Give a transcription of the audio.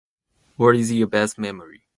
What is your best memory?